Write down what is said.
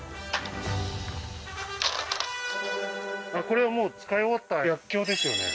これはもう使い終わった薬莢ですよね